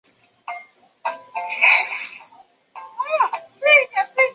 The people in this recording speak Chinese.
也是第一位在国际七大顶尖杂志发表学术论文的中国本土经济学家。